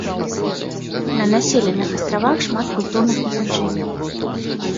На населеных астравах шмат культурных насаджэнняў.